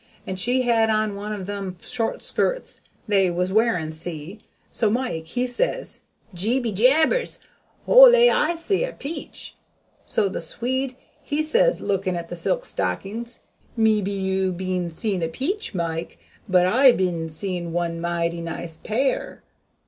And she had on one of them short skirts they was wearing, see? So Mike he says 'Gee be jabbers, Ole, I see a peach.' So the Swede he says lookin' at the silk stockings, 'Mebby you ban see a peach, Mike, but I ban see one mighty nice pair.'